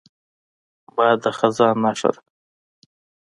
باد د خزان نښه ده